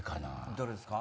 どれですか？